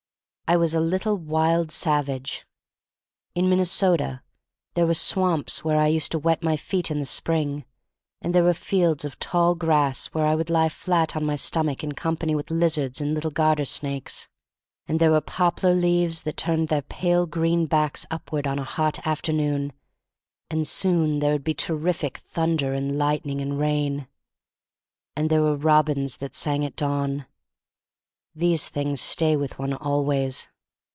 I was a little wild savage. In Minnesota there were swamps where I used to wet my feet in the spring, and there were fields of tall grass where I would lie flat on my stomach in company with lizards and little garter snakes. And there were poplar leaves that turned their pale green backs upward on a hot after noon, and soon there would be terrific thunder and lightning and rain. And there were robins that sang at dawn. These things stay with one always.